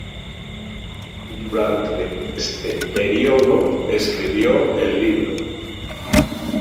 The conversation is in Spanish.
Durante este período escribió el libro.